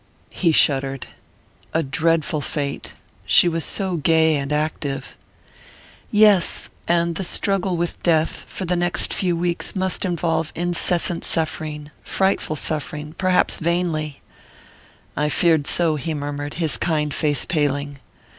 He shuddered. "A dreadful fate! She was so gay and active " "Yes and the struggle with death, for the next few weeks, must involve incessant suffering...frightful suffering...perhaps vainly...." "I feared so," he murmured, his kind face paling.